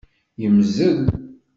Yemmzel.